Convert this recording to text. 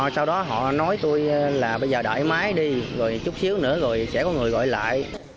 sau đó họ nói tôi là bây giờ đổi máy đi rồi chút xíu nữa rồi sẽ có người gọi lại